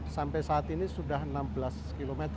sampai saat ini sudah enam belas km